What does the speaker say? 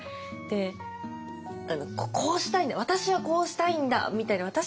でこうしたいんだ私はこうしたいんだ！みたいな。